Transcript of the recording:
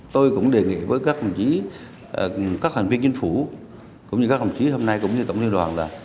tôi cũng đề nghị với các tổng chí các hành viên chính phủ cũng như các tổng chí hôm nay cũng như tổng nhân đoàn là